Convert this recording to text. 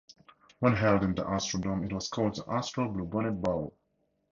When held in the Astrodome, it was called the Astro-Bluebonnet Bowl.